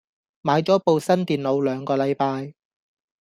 買咗部新電腦兩個禮拜